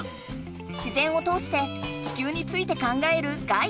自然を通して地球について考えるガイドをしている。